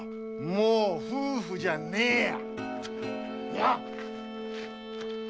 もう夫婦じゃねえや！